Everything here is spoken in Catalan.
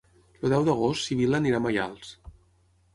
El deu d'agost na Sibil·la anirà a Maials.